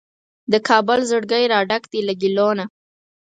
د کابل زړګی راډک دی له ګیلو نه